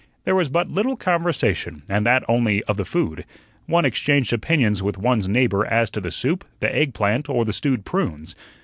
There was but little conversation, and that only of the food; one exchanged opinions with one's neighbor as to the soup, the egg plant, or the stewed prunes.